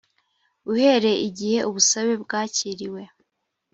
uhereye igihe ubusabe bwakiriwe